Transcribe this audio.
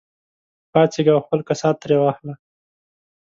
پاڅېږه او خپل کسات ترې واخله.